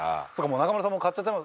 中丸さんも買っちゃってる。